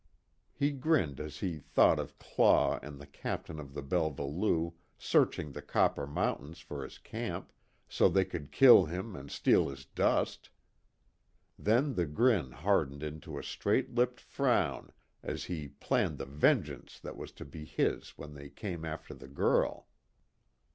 He grinned as he thought of Claw and the Captain of the Belva Lou, searching the Copper Mountains for his camp, so they could kill him and steal his dust. Then the grin hardened into a straight lipped frown as he planned the vengeance that was to be his when they came after the girl.